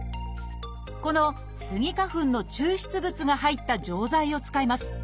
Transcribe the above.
このスギ花粉の抽出物が入った錠剤を使います。